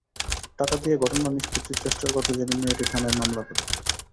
টাকা দিয়ে ঘটনা নিষ্পত্তির চেষ্টার কথা জেনে মেয়েটি থানায় মামলা করে।